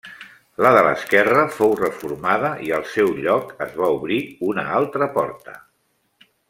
La de l'esquerra fou reformada i al seu lloc es va obrir una altra porta.